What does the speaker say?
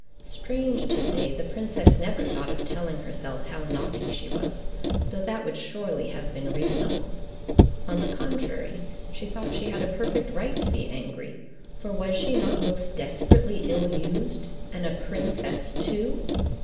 Strange to say, the princess never thought of telling herself now how naughty she was, though that would surely have been reasonable. On the contrary, she thought she had a perfect right to be angry, for was she not most desperately ill used—and a princess too?